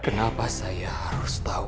kenapa saya harus tau